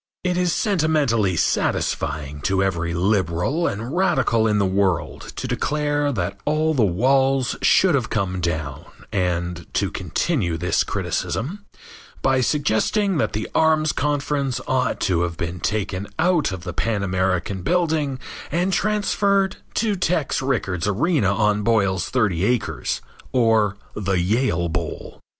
It is sentimentally satisfying to every liberal and radical in the world to declare that all the walls should have come down and to continue this criticism by suggesting that the Arms conference ought to have been taken out of the Pan American Building and transferred to Tex Rickard's arena on Boyle's Thirty Acres, or the Yale Bowl.